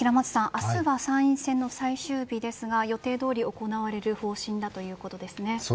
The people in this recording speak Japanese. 明日は参院選の最終日ですが予定どおり行われる方針だということですね。